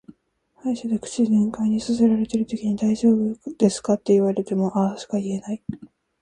歯医者で口全開にさせられてるときに「大丈夫ですか」って言われもも「あー」しか言えない。